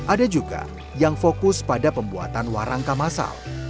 ada juga yang fokus pada pembuatan warangka masal